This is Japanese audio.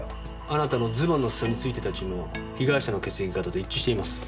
あなたのズボンの裾に付いてた血も被害者の血液型と一致しています。